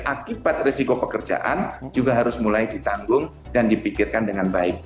akibat risiko pekerjaan juga harus mulai ditanggung dan dipikirkan dengan baik